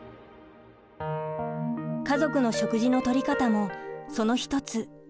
家族の食事のとり方もその一つ。